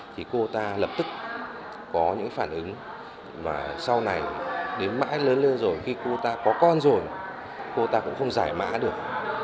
thì cô ta lập tức có những phản ứng mà sau này đến mãi lớn lên rồi khi cô ta có con rồi cô ta cũng không giải mã được